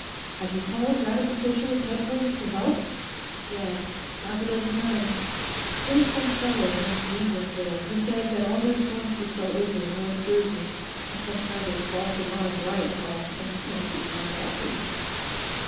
"Have you called Radical Socialist headquarters for help?" "Yes, half a dozen times. There's some fellow named Yingling there, who says that all their storm troops are over in North Jersey, on some kind of a false alarm riot call, and can't be contacted."